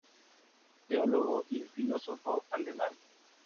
Teólogo y filósofo alemán.